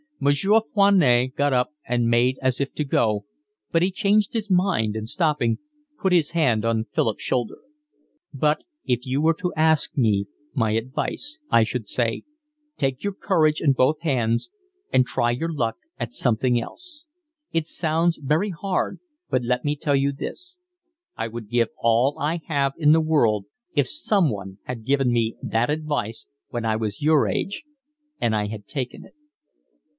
Monsieur Foinet got up and made as if to go, but he changed his mind and, stopping, put his hand on Philip's shoulder. "But if you were to ask me my advice, I should say: take your courage in both hands and try your luck at something else. It sounds very hard, but let me tell you this: I would give all I have in the world if someone had given me that advice when I was your age and I had taken it."